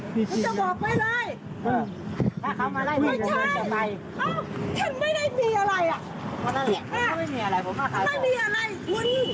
พ่อค้าก็ไม่อยากมีปัญหากับพวกคุณแต่พวกคุณก็ต้องรู้